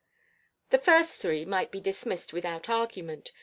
The first three might be dismissed without argument.